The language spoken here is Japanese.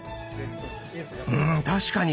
うん確かに。